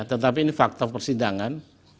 tetapi ini fakta persidangan